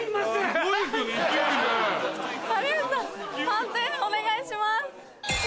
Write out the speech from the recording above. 判定お願いします。